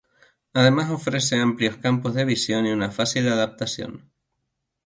Además ofrece amplios campos de visión y una fácil adaptación.